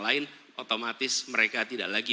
lain otomatis mereka tidak lagi